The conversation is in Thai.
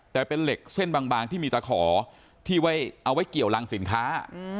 แต่เป็นเหล็กเส้นบางที่มีตะขอที่ไว้เอาไว้เกี่ยวรังสินค้า